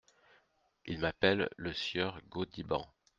Il m’appelle le sieur Gaudiband !